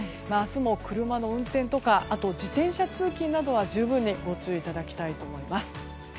明日も車の運転とか自転車通勤には十分にご注意いただきたいと思います。